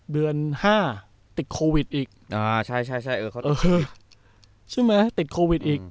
เดือนห้าติดโควิดอีกอ่าใช่ใช่เออเขาติดใช่ไหมติดโควิดอีก